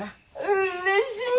うれしい！